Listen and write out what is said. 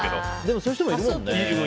そういう人もいるもんね。